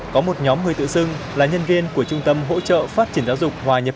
có một nhóm người tự xưng là nhân viên của trung tâm hỗ trợ phát triển giáo dục hòa nhập